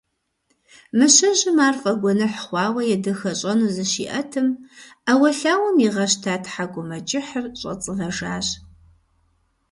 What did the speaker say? Мыщэжьым ар фӀэгуэныхь хъуауэ едэхэщӀэну зыщиӀэтым, Ӏэуэлъауэм игъэщта ТхьэкӀумэкӀыхьыр, щӀэцӀывэжащ.